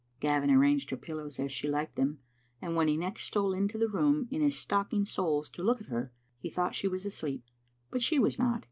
Gavin arranged her pillows as she liked them, and when he next stole into the room in his stocking soles to look at her, he thought she was asleep. But she was not.